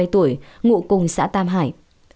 ba mươi tuổi ngụ cùng xã tam hải